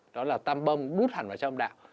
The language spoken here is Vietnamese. đó là tăm bông đút hẳn vào trong đạo